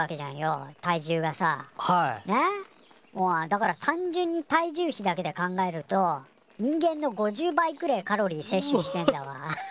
だから単純に体重比だけで考えると人間の５０倍くれえカロリーせっ取してんだわ。